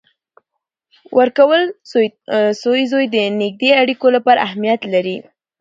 ورکول سوی زوی د نږدې اړیکو لپاره اهمیت لري.